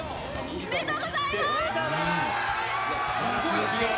おめでとうございます！